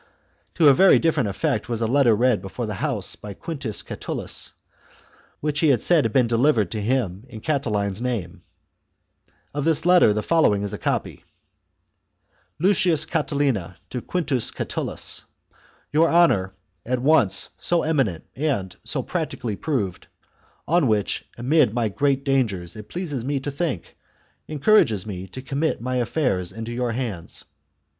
To a very different effect was a letter read before the House by Ouintus Catulus, which he said had been delivered to him in Catiline's name : of this letter the following is a copy, —" Lucius Catilina to Quintus Catulus — xxxv Your honour, at once so eminent and so practically proved, on which amid my great dangers it pleases me to think, encourages me to commit my affairs into your hands.